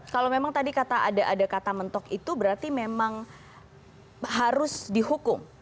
kalau memang tadi kata ada kata mentok itu berarti memang harus dihukum